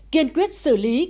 kiên quyết xử lý kỷ luật